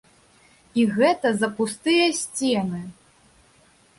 І гэта за пустыя сцены!